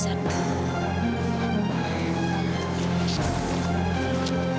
zaira kenapa sih man